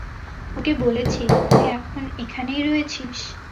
ওকে বলেছি তুই এখন এখানেই রয়েছিস।